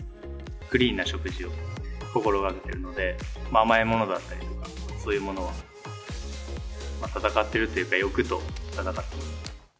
クリーンな食事を心がけているので、甘いものだったりとか、そういうものは、戦っているというか、欲と戦ってます。